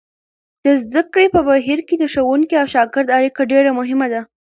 د زده کړې په بهیر کې د ښوونکي او شاګرد اړیکه ډېره مهمه ده.